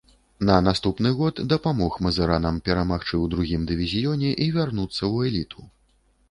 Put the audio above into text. На наступны год дапамог мазыранам перамагчы ў другім дывізіёне і вярнуцца ў эліту.